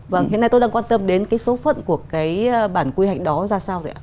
vâng hiện nay tôi đang quan tâm đến cái số phận của cái bản quy hạch đó ra sao vậy ạ